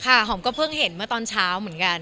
หอมก็เพิ่งเห็นเมื่อตอนเช้าเหมือนกัน